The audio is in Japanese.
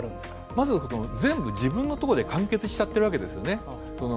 まず、全部自分のところで完結しちゃっているわけですよね。